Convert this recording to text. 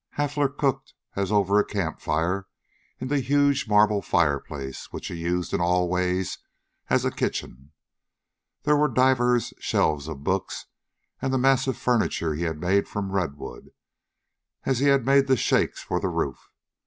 Hafler cooked, as over a campfire, in the huge marble fireplace, which he used in all ways as a kitchen. There were divers shelves of books, and the massive furniture he had made from redwood, as he had made the shakes for the roof.